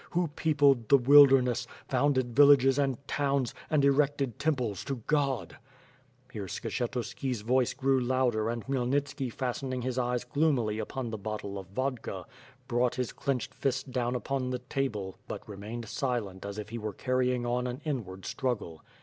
Who peopled the wilderness, founded villages and towns, and ereotcd temples to God?" ... Here Skshetuski's voice grew louder and Khmyelnitski fastening his eyes gloomily upon the bottle of vodka, brought his clenched fist down on the table, but remained silent as if he were carrying on an inward struggle.